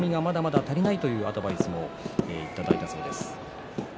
踏み込みがまだまだ足りないというアドバイスもいただいたそうです。